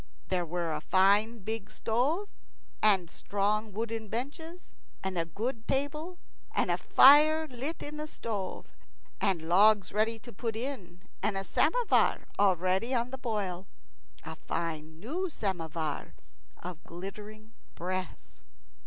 There were a fine big stove, and strong wooden benches, and a good table, and a fire lit in the stove, and logs ready to put in, and a samovar already on the boil a fine new samovar of glittering brass.